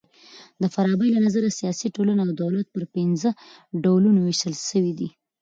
د فارابۍ له نظره سیاسي ټولنه او دولت پر پنځه ډولونو وېشل سوي دي.